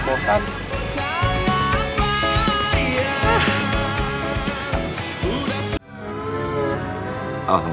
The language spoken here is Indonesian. oh bentar gue bawa jendal